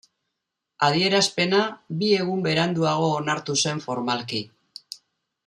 Adierazpena bi egun beranduago onartu zen formalki.